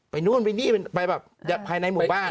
นู่นไปนี่ไปแบบภายในหมู่บ้าน